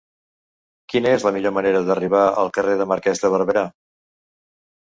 Quina és la millor manera d'arribar al carrer del Marquès de Barberà?